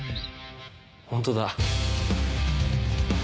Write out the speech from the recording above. ホントだ。